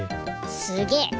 すげえ。